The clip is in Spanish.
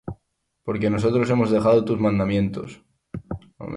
porque nosotros hemos dejado tus mandamientos,